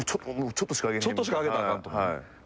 ちょっとしか上げたらあかんと思うよね。